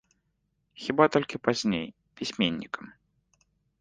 Хіба толькі пазней, пісьменнікам.